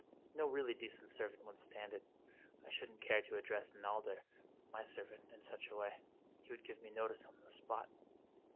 No really decent servant would stand it. I shouldn't care to address Nalder, my servant, in such a way. He would give me notice on the spot.